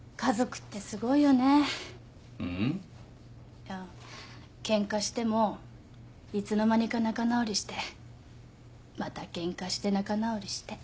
いやケンカしてもいつの間にか仲直りしてまたケンカして仲直りして。